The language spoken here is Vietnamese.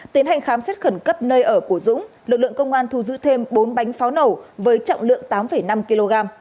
tiến hành khám xét khẩn cấp nơi ở của dũng lực lượng công an thu giữ thêm bốn bánh pháo nổ với trọng lượng tám năm kg